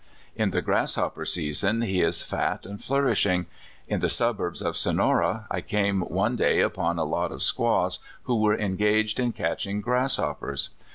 In the grasshopper season he is fat and flourishinor. In the suburbs of Sonora I came one day upon a lot of squaws who were engaged in catching grasshoppers.